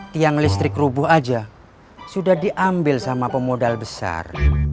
tiang listrik rubuh aja sudah diambil sama pemodal besar